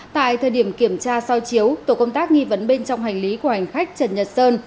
tại thời điểm kiểm tra soi chiếu tổ công tác nghi vấn bên trong hành lý của hành khách trần nhật sơn